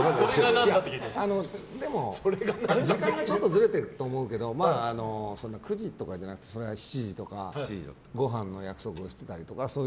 でも、時間がちょっとずれてると思うけど９時とかじゃなくて７時とかごはんの約束をしてたりとか。